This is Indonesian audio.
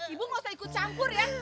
ibu nggak usah ikut campur ya